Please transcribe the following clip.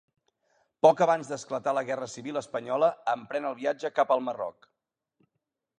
Poc abans d'esclatar la Guerra Civil Espanyola, emprèn el viatge cap al Marroc.